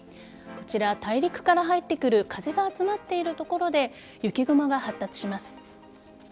こちら、大陸から入ってくる風が集まっている所で雪雲が発達します。